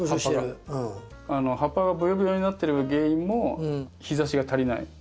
葉っぱがぶよぶよになってる原因も日ざしが足りない。